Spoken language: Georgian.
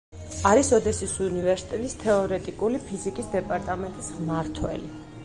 არის ოდესის უნივერსიტეტის თეორეტიკული ფიზიკის დეპარტამენტის მმართველი.